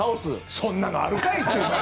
そんなのあるかい！っていう。